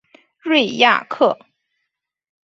瑞亚克。